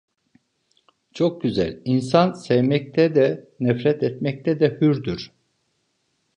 Çok güzel, insan sevmekte de, nefret etmekte de hürdür.